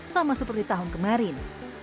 sama seperti tahun kemarin